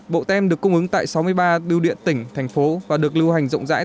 bộ tem được cung ứng tại sáu mươi ba biêu điện tỉnh thành phố và được lưu hành rộng rãi